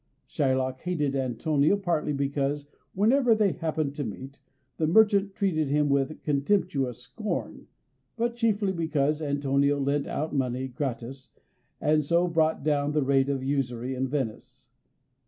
Shylock hated Antonio partly because, whenever they happened to meet, the merchant treated him with contemptuous scorn, but chiefly because Antonio lent out money gratis, and so brought down the rate of usury in Venice.